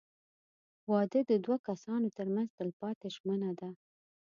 • واده د دوه کسانو تر منځ تلپاتې ژمنه ده.